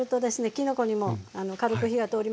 きのこにも軽く火が通りますし。